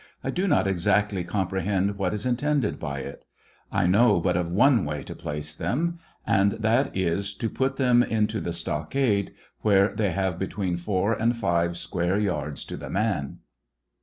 I do not exactly comprehend what is intended hy it ; I know but of one way to place them, and that is, to put them into the stockade,' where they have between four and five square yards to the man.